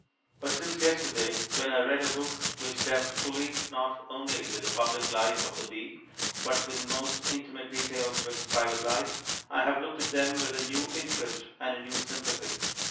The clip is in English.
But since yesterday, when I read a book which dealt fully, not only with the public life of the bee, but with the most intimate details of its private life, I have looked at them with a new interest and a new sympathy.